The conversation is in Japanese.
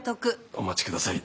お待ちください。